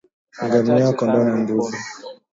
Ngamia kondoo na mbuzi